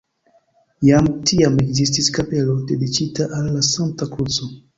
Jam tiam ekzistis kapelo dediĉita al la Sankta Kruco.